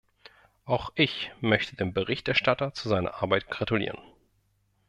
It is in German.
Auch ich möchte dem Berichterstatter zu seiner Arbeit gratulieren.